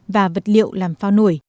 và vật liệu làm phao nổi